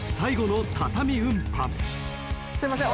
すいません。